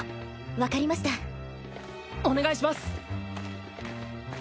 分かりましたお願いします